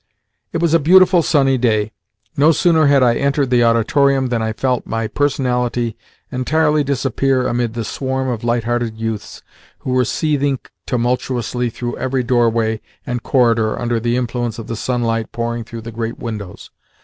It was a beautiful sunny day. No sooner had I entered the auditorium than I felt my personality entirely disappear amid the swarm of light hearted youths who were seething tumultuously through every doorway and corridor under the influence of the sunlight pouring through the great windows.